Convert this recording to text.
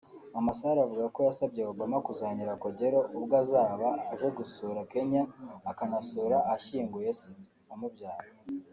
Mama Sarah avuga ko yasabye Obama kuzanyura Kogelo ubwo azaba aje gusura Kenya akanasura ahashyinguye se umubyara